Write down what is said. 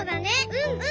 うんうん。